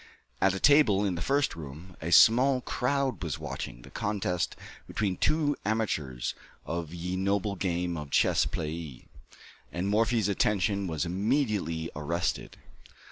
At a table in the first room, a small crowd was watching the contest between two amateurs of "ye noble game of chesse playe," and Morphy's attention was immediately arrested.